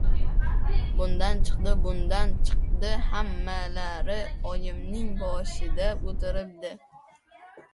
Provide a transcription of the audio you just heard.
Bundan chiqdi... Bundan chiqdi, hammalari oyimning boshida o‘tiribdi.